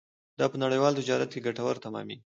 دا په نړیوال تجارت کې ګټور تمامېږي.